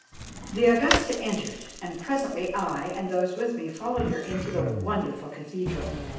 The Augusta entered, and presently I and those with me followed her into the wonderful cathedral.